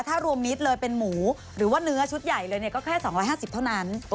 ถ้ารวมมิสเป็นหมูหรือเนื้อชุดใหญ่แค่๒๕๐เท่านั้น